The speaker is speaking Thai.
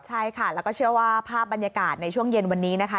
ใช่ค่ะแล้วก็เชื่อว่าภาพบรรยากาศในช่วงเย็นวันนี้นะคะ